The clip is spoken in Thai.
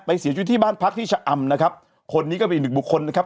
เสียชีวิตที่บ้านพักที่ชะอำนะครับคนนี้ก็เป็นอีกหนึ่งบุคคลนะครับ